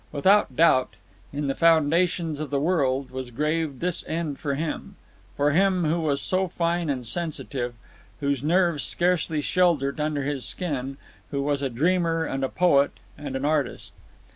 Without doubt, in the foundations of the world was graved this end for him—for him, who was so fine and sensitive, whose nerves scarcely sheltered under his skin, who was a dreamer, and a poet, and an artist.